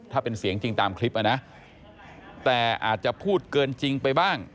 ถ้าเป็นเสียงจริงตามคลิปนะแต่อาจจะพูดเกินจริงไปบ้าง